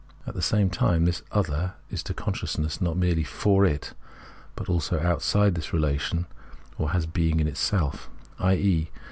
At the same time this " other " is to consciousness not merely for it, but also outside this relation, or has a being in itself, i.e.